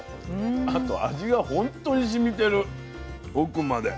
あと味がほんとにしみてる奥まで。